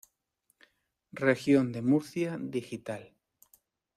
Región de Murcia Digital.